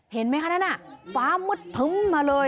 เห็นมั้ยคะนั่นอ่ะฟ้ามึดทึ่มมาเลย